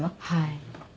はい。